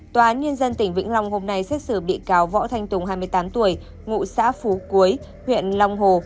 tòa án nhân dân tỉnh vĩnh long hôm nay xét xử bị cáo võ thanh tùng hai mươi tám tuổi ngụ xã phú quế huyện long hồ